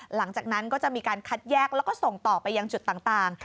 หลังจากนั้นก็จะมีการคัดแยกแล้วก็ส่งต่อไปยังจุดต่าง